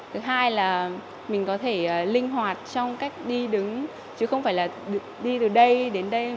thứ hai là mình có thể linh hoạt trong cách đi đứng chứ không phải là đi từ đây đến đây